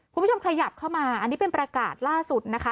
คุณผู้ชมขยับเข้ามาอันนี้เป็นประกาศล่าสุดนะคะ